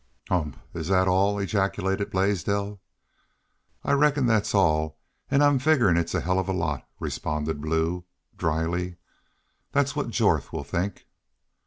"Humph! Is that all?" ejaculated Blaisdell. "I reckon thet's all an' I'm figgerin' it's a hell of a lot," responded Blue, dryly. "Thet's what Jorth will think."